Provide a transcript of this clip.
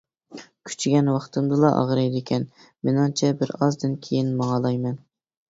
-كۈچىگەن ۋاقتىمدىلا ئاغرىيدىكەن، مېنىڭچە بىر ئازدىن كېيىن ماڭالايمەن.